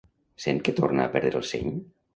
Sent que torna a perdre el seny?